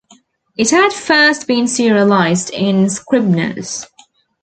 It had first been serialized in Scribner's.